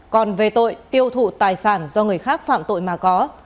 còn về tội tiêu thụ tài sản do người khác phạm tội mà có